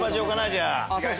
じゃあ。